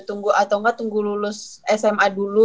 tunggu atau enggak tunggu lulus sma dulu